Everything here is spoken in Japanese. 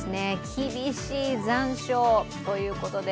厳しい残暑ということです。